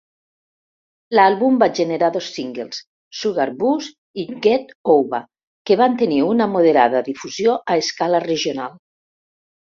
L'àlbum va generar dos singles, "Sugarbuzz" i "Get Over", que van tenir una moderada difusió a escala regional.